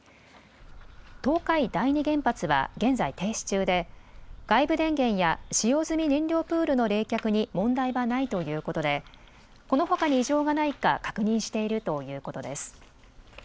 東海第二原発は現在、停止中で外部電源や使用済み燃料プールの冷却に問題はないということでこのほかに異常がないか確認しているということです。